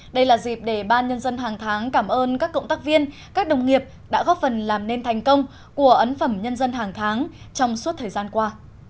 đây là dịp để ban nhân dân hàng tháng cảm ơn các cộng tác viên các đồng nghiệp đã góp phần làm nên thành công của ấn phẩm nhân dân hàng tháng trong suốt thời gian qua